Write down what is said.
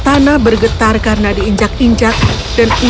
saya tidak tetap seperti saat uratan passing hari ini